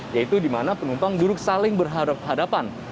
yaitu di mana penumpang duduk saling berhadapan hadapan